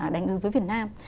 đánh ưu với việt nam